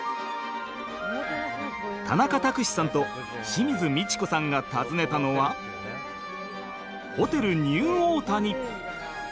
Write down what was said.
田中卓志さんと清水ミチコさんが訪ねたのはホテルニューオータニ！